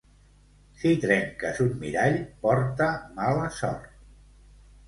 Si trenques un mirall porta mala sort.